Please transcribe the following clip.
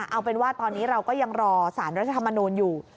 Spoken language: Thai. เอาเป็นว่าตอนนี้เราก็ยังรอสารราชภาษณ์มานอนอยู่